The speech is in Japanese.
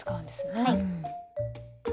はい。